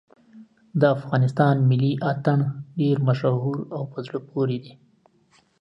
د افغانستان ملي اتڼ ډېر مشهور او په زړه پورې دی.